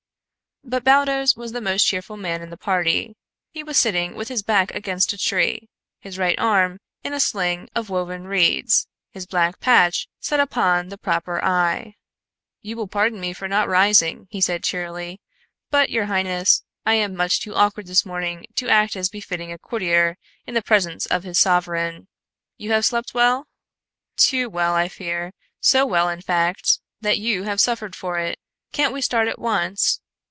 But Baldos was the most cheerful man in the party. He was sitting with his back against a tree, his right arm in a sling of woven reeds, his black patch set upon the proper eye. "You will pardon me for not rising," he said cheerily, "but, your highness, I am much too awkward this morning to act as befitting a courtier in the presence of his sovereign. You have slept well?" "Too well, I fear. So well, in fact, that you have suffered for it. Can't we start at once?"